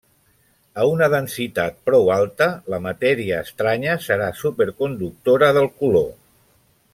A una densitat prou alta, la matèria estranya serà superconductora del color.